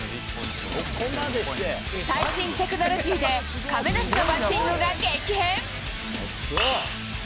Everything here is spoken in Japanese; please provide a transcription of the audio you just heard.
最新テクノロジーで、亀梨のバッティングが激変。